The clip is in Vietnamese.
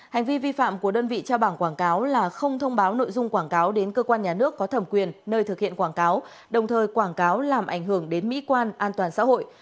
hành vi vi phạm của đơn vị trao bảng quảng cáo là không thông báo nội dung quảng cáo đến cơ quan nhà nước có thẩm quyền nơi thực hiện quảng cáo đồng thời quảng cáo làm ảnh hưởng đến mỹ quan an toàn xã hội